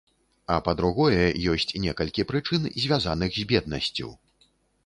А па-другое, ёсць некалькі прычын, звязаных з беднасцю.